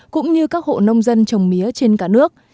cũng như các hộ nông dân trồng mía trên cả nước